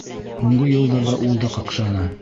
Һуңғы йылдарҙа ул да ҡаҡшаны.